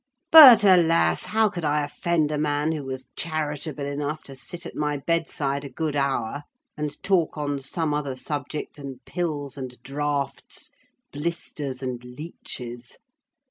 But, alas! how could I offend a man who was charitable enough to sit at my bedside a good hour, and talk on some other subject than pills and draughts, blisters and leeches?